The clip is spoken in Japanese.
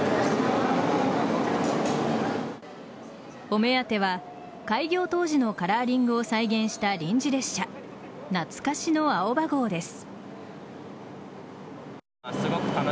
お目当ては開業当時のカラーリングを再現した臨時列車なつかしのあおば号です。